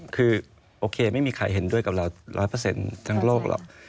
คือโอเคไม่มีใครเห็นด้วยกับเราร้อยเปอร์เซ็นต์ทั้งโลกหรอก